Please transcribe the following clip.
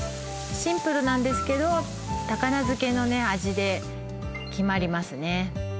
シンプルなんですけど高菜漬けのね味で決まりますね